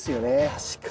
確かに。